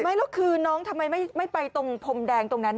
ไม่แล้วคือน้องทำไมไม่ไปตรงพรมแดงตรงนั้น